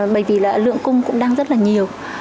bởi vì lượng cung cũng đang rất là nhiều